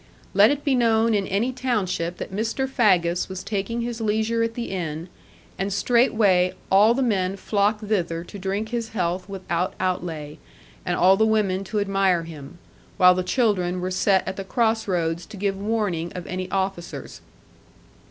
Let it be known in any township that Mr. Faggus was taking his leisure at the inn, and straightway all the men flocked thither to drink his health without outlay, and all the women to admire him; while the children were set at the cross roads to give warning of any officers.